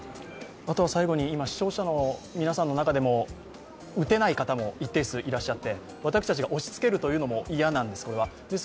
最後に、視聴者の皆さんの中でも打てない方も一定数いらっしゃって私たちが押しつけるというのも嫌なんです。